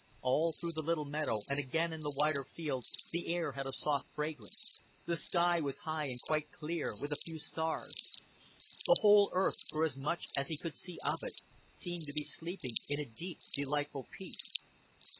All through the little meadow and again in the wider fields the air had a soft fragrance; the sky was high and quite clear, with a few stars; the whole earth, for as much as he could see of it, seemed to be sleeping in a deep delightful peace.